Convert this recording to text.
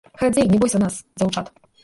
Хадзі, не бойся нас, дзяўчат!